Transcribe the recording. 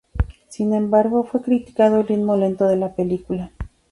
Sin embargo, fue criticado el "ritmo lento" de la película.